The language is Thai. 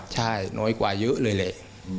ใช่น้อยกว่าเยอะเลยแหละ